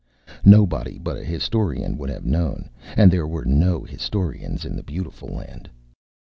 Nobody but a historian would have known, and there were no historians in The Beautiful Land.